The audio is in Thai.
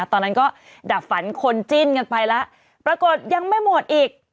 ตอนนั้นก็ดับฝันคนจิ้นกันไปแล้วปรากฏยังไม่หมดอีก